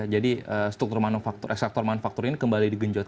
jadi struktur manufaktur sektor manufaktur ini kembali digenjot